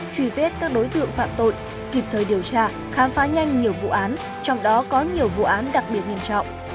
truy vết các đối tượng phạm tội kịp thời điều tra khám phá nhanh nhiều vụ án trong đó có nhiều vụ án đặc biệt nghiêm trọng